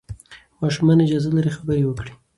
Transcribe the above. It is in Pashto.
ماشومان اجازه لري خبرې وکړي.